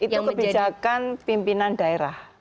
itu kebijakan pimpinan daerah